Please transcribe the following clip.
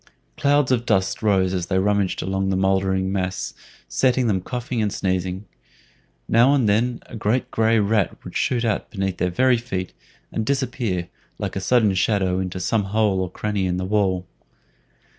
Clouds of dust rose as they rummaged among the mouldering mass, setting them coughing and sneezing. Now and then a great gray rat would shoot out beneath their very feet, and disappear, like a sudden shadow, into some hole or cranny in the wall.